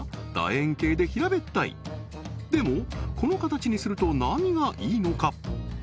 円形で平べったいでもこの形にすると何がいいのか？